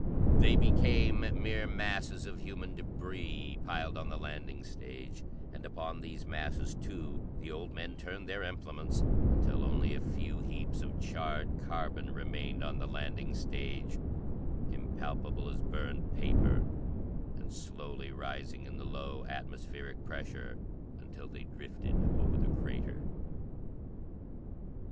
They became mere masses of human débris piled on the landing stage, and upon these masses, too, the old men turned their implements, until only a few heaps of charred carbon remained on the landing stage, impalpable as burned paper, and slowly rising in the low atmospheric pressure until they drifted over the crater.